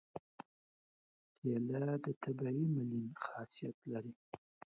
کېله د طبیعي ملین خاصیت لري.